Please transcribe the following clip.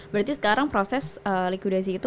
berarti sekarang proses likudasi itu